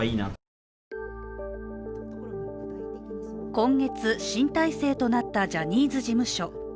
今月、新体制となったジャニーズ事務所。